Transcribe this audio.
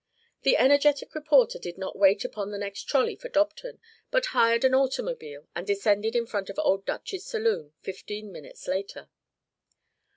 The energetic reporter did not wait upon the next trolley for Dobton, but hired an automobile and descended in front of Old Dutch's saloon fifteen minutes later.